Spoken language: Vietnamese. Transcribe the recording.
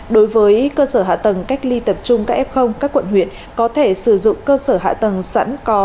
đối với cơ sở hạ tầng cách ly tập trung các f các quận huyện có thể sử dụng cơ sở hạ tầng sẵn có